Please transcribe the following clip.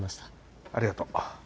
ありがとう。